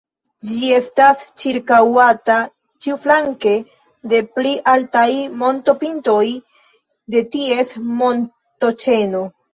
Ĝi estas ĉirkaŭata ĉiuflanke de pli altaj montopintoj de ties montoĉeno.